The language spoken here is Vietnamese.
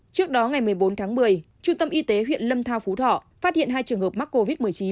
trước đó ngày một mươi bốn tháng một mươi trung tâm y tế huyện lâm thao phú thọ phát hiện hai trường hợp mắc covid một mươi chín